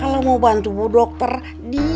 a ceng kan harus bantuin bu dokter biar emak cepet sehat